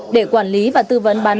để quản lý và tư vấn bán